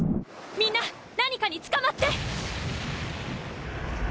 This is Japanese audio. みんな何かにつかまって！